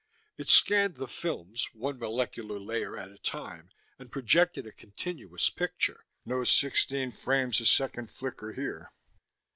It scanned the "films", one molecular layer at a time, and projected a continuous picture no sixteen frames a second flicker here.